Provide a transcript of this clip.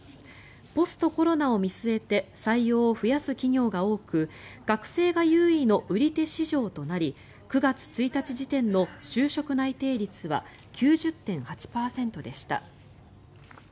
ポストコロナを見据えて採用を増やす企業が多く学生が優位の売り手市場となり９月１日時点の就職内定率は９０．８％でした。